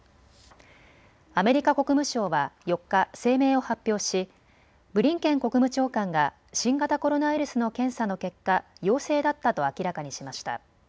アメリカ国務省は４日、声明を発表しブリンケン国務長官が新型コロナウイルスの検査の結果陽性だったと明らかにしました。